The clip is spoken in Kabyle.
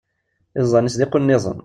Iẓẓan-is d iqunnizen.